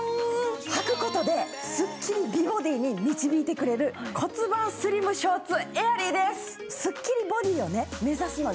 はくことですっきり美ボディーに導いてくれる骨盤スリムショーツエアリーです！